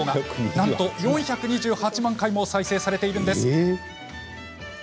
なんと４２８万回も再生されているんです。